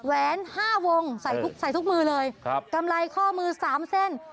แหวนห้าวงใส่ทุกมือเลยครับกำไรข้อมือสามเส้น